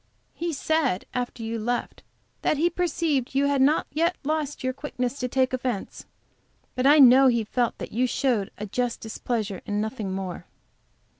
He said, after you left, that he perceived you had not yet lost your quickness to take offence, but I know he felt that you showed a just displeasure, and nothing more."